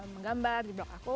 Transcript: menggambar di blog aku